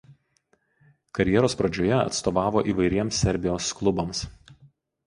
Karjeros pradžioje atstovavo įvairiems Serbijos klubams.